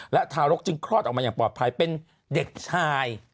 และทารกจึงคลอดออกมาอย่างปลอดภัยเป็นเด็กชาย